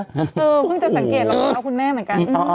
เออเพิ่งจะสังเกตหลอกเธอแล้วคุณแม่เหมือนกัน